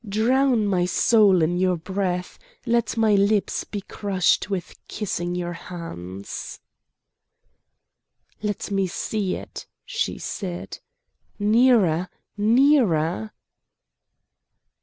—Drown my soul in your breath! Let my lips be crushed with kissing your hands!" "Let me see it!" she said. "Nearer! nearer!"